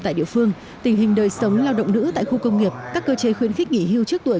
tại địa phương tình hình đời sống lao động nữ tại khu công nghiệp các cơ chế khuyến khích nghỉ hưu trước tuổi